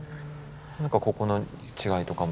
何かここの違いとかも。